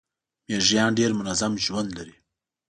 میږیان ډیر منظم ژوند لري